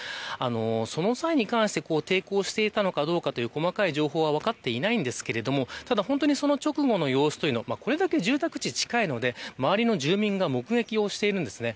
その際に関して抵抗していたのかどうかという細かい情報は分かっていませんがその直後の様子というのはこれだけ住宅地が近いので周りの住民が目撃をしています。